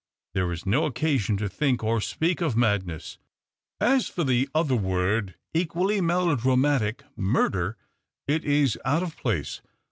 There is no occasion to think or speak of mad ness. As for the other word equally melo dramatic, murder, it is out of place.